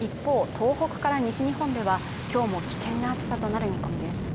東北から西日本では今日も危険な暑さとなる見込みです